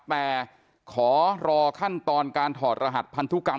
แต่ขอรอขั้นตอนการถอดรหัสพันธุกรรม